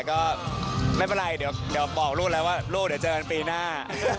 ก็ไม่เป็นไรเดี๋ยวบอกลูกแล้วว่าลูกเดี๋ยวเจอกันปีหน้า